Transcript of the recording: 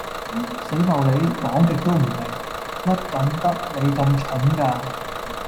死茂里，講極都唔明，乜甘得你甘蠢噶